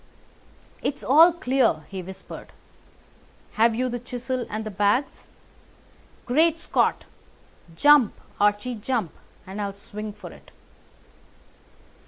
"It's all clear," he whispered. "Have you the chisel and the bags? Great Scott! Jump, Archie, jump, and I'll swing for it!"